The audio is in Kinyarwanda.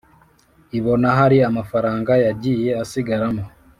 ibona hari amafaranga yagiye asigaramo